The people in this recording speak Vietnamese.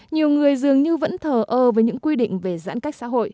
nhiều người dường như vẫn thờ ơ với những quy định về giãn cách